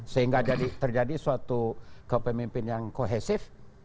sehingga terjadi suatu kepemimpin yang kohesif